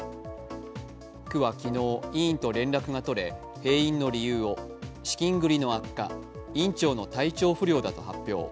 区は昨日、医院と連絡がとれ、閉院の理由を資金繰りの悪化院長の体調不良だと発表。